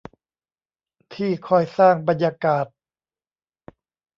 ที่คอยสร้างบรรยากาศ